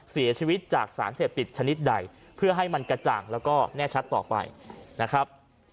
เสียชีวิตจากสารเสพติดชนิดใดเพื่อให้มันกระจ่างแล้วก็แน่ชัดต่อไปนะครับ